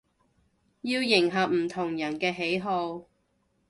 要迎合唔同人嘅喜好